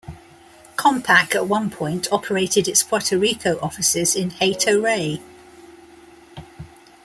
Compaq at one point operated its Puerto Rico offices in Hato Rey.